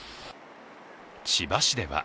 千葉市では